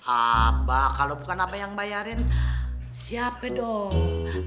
abah kalau bukan abah yang bayarin siapa dong